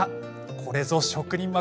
これぞ職人技。